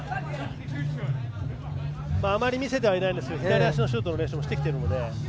あまり見せてないですけど左足のシュートの練習もしてきているので。